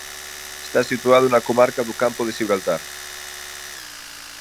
Está situado na comarca do Campo de Xibraltar.